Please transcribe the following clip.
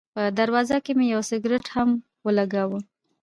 په دروازه کې مې یو سګرټ هم ولګاوه.